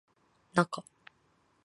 なか